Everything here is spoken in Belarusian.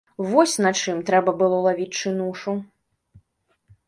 Вось на чым трэба было лавіць чынушу!